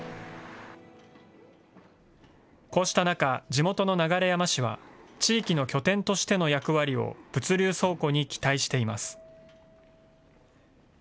こうした中、地元の流山市は、地域の拠点としての役割を物流倉庫に期待しています。